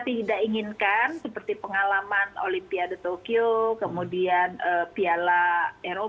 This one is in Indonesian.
nah yang kita inginkan seperti pengalaman olimpiade tokyo kemudian menetapkan kasus di wilayah maupun di negara